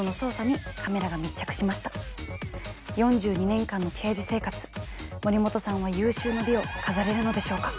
４２年間の刑事生活森本さんは有終の美を飾れるのでしょうか？